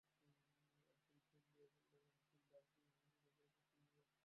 Uncle phone দিয়ে বললো নতুন ভাড়াটিয়া উঠবে, ডাক্তারের পরিবার।